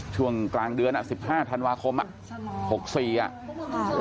ช่วงกลางเดือน๑๕ธันวาคม๖๔น